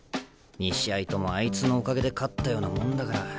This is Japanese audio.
２試合ともあいつのおかげで勝ったようなもんだから。